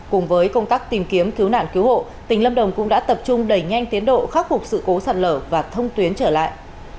cùng với công tác tìm kiếm cứu nạn cứu hộ tỉnh lâm đồng cũng đã tập trung đẩy nhanh tiến độ khắc phục sự cố sạt lở và thông tuyến trở lại